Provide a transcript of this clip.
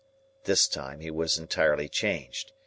This time, he was entirely changed.